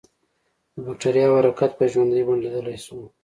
د بکټریاوو حرکت په ژوندۍ بڼه لیدلای شو.